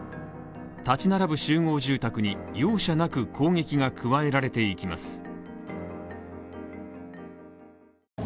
立ち並ぶ集合住宅に容赦なく攻撃が加えられていきます。